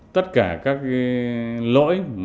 tất cả các lỗi